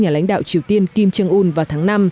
nhà lãnh đạo triều tiên kim jong un vào tháng năm